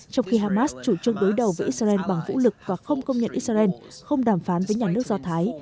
trong khi hamas chủ trương đối đầu với israel bằng vũ lực và không công nhận israel không đàm phán với nhà nước do thái